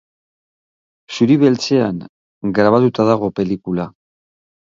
Zuri-beltzean grabatuta dago pelikula.